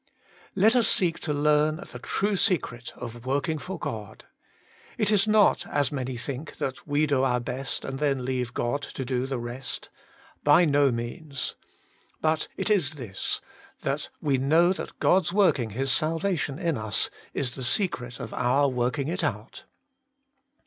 Let us seek to learn the true secret of working for God. It is not, as many think, that we do our best, and then leave God to do the rest. By no means. But it is this, that we know that God's working His sal vation in us is the secret of our working it out.